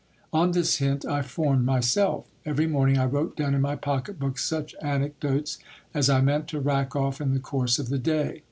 On this hint I formed myself. Every moming I wrote down in my pocket book such anecdotes as I meant to rack off in the course of the day.